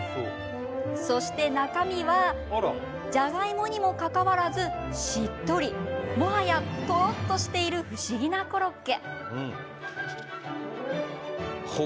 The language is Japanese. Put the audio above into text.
そして中身はじゃがいもにもかかわらずしっとりもはやとろっとしている不思議なコロッケ。